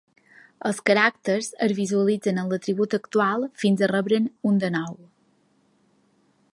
Els caràcters es visualitzen amb l'atribut actual fins a rebre'n un de nou.